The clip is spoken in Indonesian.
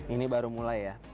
ini baru mulai ya